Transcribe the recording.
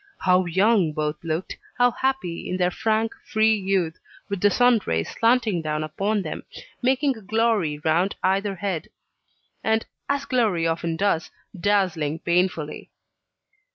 How young both looked, how happy in their frank, free youth, with the sun rays slanting down upon them, making a glory round either head, and as glory often does dazzling painfully.